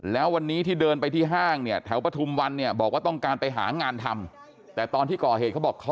แล้ววันนี้ที่เดินไปที่ห้างเนี่ยแถวปทุมวันเนี่ยบอกว่าต้องการไปหางานทำ